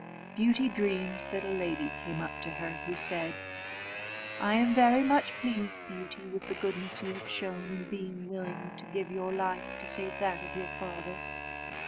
Beauty dreamed that a lady came up to her, who said, "I am very much pleased, Beauty, with the goodness you have shown, in being willing to give your life to save that of your father.